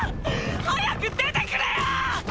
早く出てくれよ！